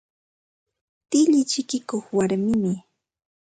Tilli chikikuq warmimi.